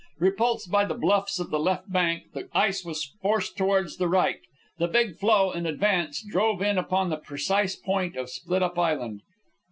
Repulsed by the bluffs of the left bank, the ice was forced towards the right. The big floe, in advance, drove in upon the precise point of Split up Island.